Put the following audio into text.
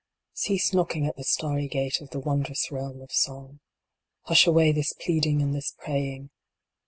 Cease knocking at the starry gate of the wondrous realm of Song. Hush away this pleading and this praying.